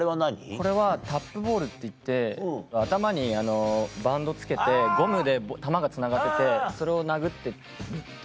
これはタップボールっていって頭にバンドつけてゴムで球がつながっててそれを殴ってっていう。